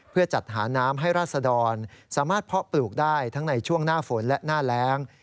เพื่อจัดหาน้ำให้ราศดรสามารถเพาะปลูกได้ทั้งในช่วงหน้าฝนและหน้าแรง